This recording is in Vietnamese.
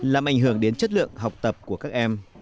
làm ảnh hưởng đến chất lượng học tập của các em